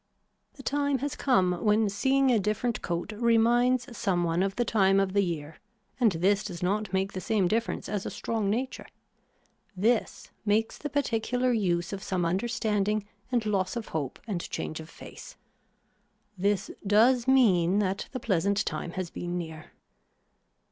The time has come when seeing a different coat reminds some one of the time of the year and this does not make the same difference as a strong nature. This makes the particular use of some understanding and loss of hope and change of face. This does mean that the pleasant time has been near.